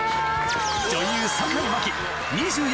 女優坂井真紀